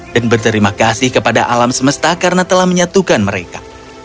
dan berterima kasih kepada alam semesta karena telah menyatukan mereka